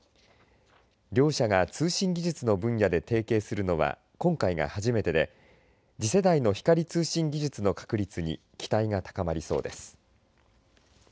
両社が通信技術の分野で提携するのは今回が初めてで次世代の光通信技術の確立に期待が高まりそうです。